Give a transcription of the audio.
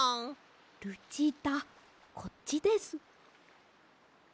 ルチータこっちです。